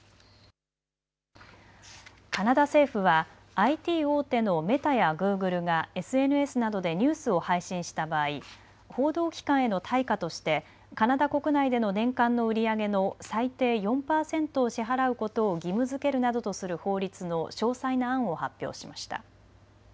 カナダ政府はＩＴ大手のメタやグーグルがＳＮＳなどでニュースを配信した場合、報道機関への対価としてカナダ国内での年間の売り上げの最低４％を支払うことを義務づけるなどとする法律の詳細な案を発表しました。